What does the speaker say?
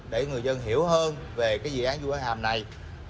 để người dân hiểu hơn về dự án dụ án hàm này